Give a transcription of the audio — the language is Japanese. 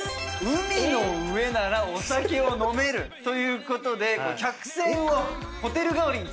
海の上ならお酒を飲めるということで客船をホテル代わりに使うという。